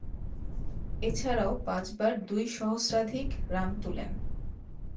এছাড়াও পাঁচবার দুই সহস্রাধিক রান তুলেন।